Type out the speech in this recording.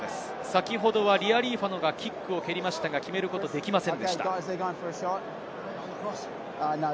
先ほどはリアリーファノがキックを蹴りましたが、決めることができませんでした。